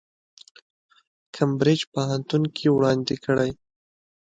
کمبریج پوهنتون کې وړاندې کړي.